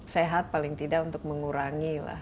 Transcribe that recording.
sehat paling tidak untuk mengurangi lah